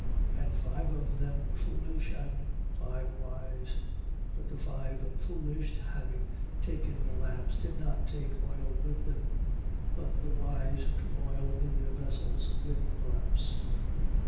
25:2. And five of them were foolish and five wise. 25:3. But the five foolish, having taken their lamps, did not take oil with them. 25:4. But the wise took oil in their vessels with the lamps.